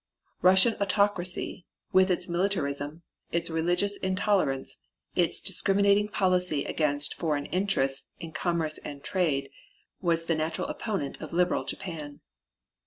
Russian autocracy, with its militarism, its religious intolerance, its discriminating policy against foreign interests in commerce and trade, was the natural opponent of liberal Japan.